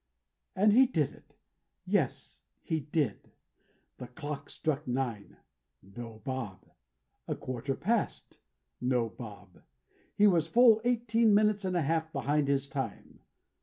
And he did it; yes, he did! The clock struck nine. No Bob. A quarter past. No Bob. He was full eighteen minutes and a half behind his time.